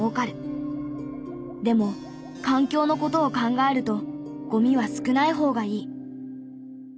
でも環境の事を考えるとゴミは少ない方がいい。